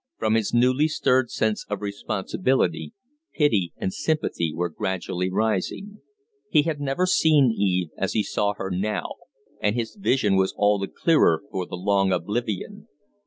From his newly stirred sense of responsibility pity and sympathy were gradually rising. He had never seen Eve as he saw her now, and his vision was all the clearer for the long oblivion.